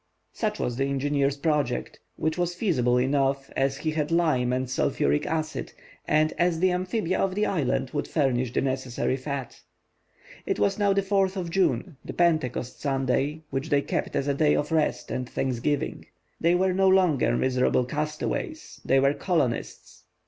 Such was the engineer's project, which was feasible enough, as he had lime and sulphuric acid, and as the amphibia of the island would furnish the necessary fat. It was now June 4, and Pentecost Sunday, which they kept as a day of rest and thanksgiving. They were no longer miserable castaways, they were colonists.